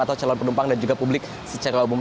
atau calon penumpang dan juga publik secara umum